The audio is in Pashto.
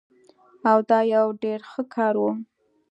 او دا يو ډير ښه کار وو